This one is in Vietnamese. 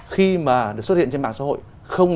khi mà được xuất hiện trên mạng xã hội không